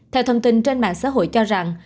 theo thông tin trên mạng xã hội cho rằng